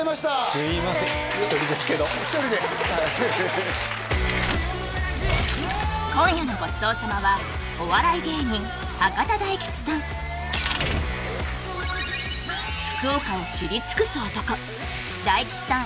すいません１人ですけど１人でフフフ今夜のごちそう様は福岡を知り尽くす男大吉さん